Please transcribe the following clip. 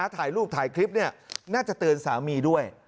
ถ่ายรูปถ่ายคลิปน่าจะเตือนสามีด้วย